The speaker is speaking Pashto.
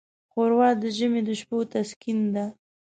ښوروا د ژمي د شپو تسکین ده.